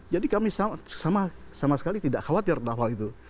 jadi kami sama sekali tidak khawatir tentang hal itu